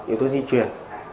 yếu tố di chuyển